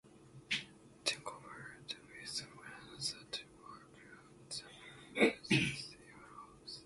They conferred with one another to work out the problems as they arose.